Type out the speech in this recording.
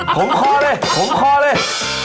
มคอเลยขมคอเลย